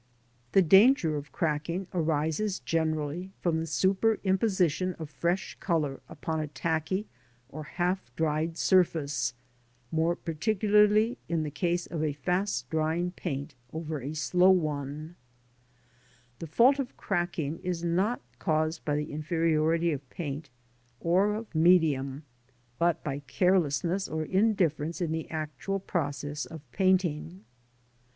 The danger of cracking arises generally from the super imposition of fresh colour upon a tacky or half dried surface, more particularly in the case of a fast drying paint over a slow one The fault of cracking is not caused by the inferiority of paint or of medium, but by carelessness or indifference in the actual process of painting.